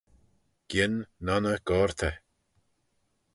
Gien nonney gortey